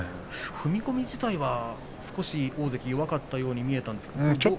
踏み込み自体は大関よかったように見えたんですが。